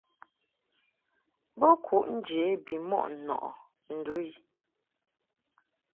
Bo kuʼ nje bimɔʼ nɔʼɨ ndu i.